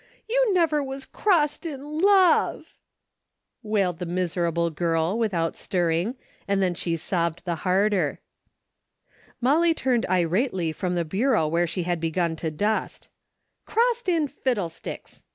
You never was crossed in love !" wailed the miserable girl, without stirring, and then she sobbed the harder. Molly turned irately from the bureau where she had begun to dust. 290 A DAILY RATE:'> " Crossed in fiddlesticks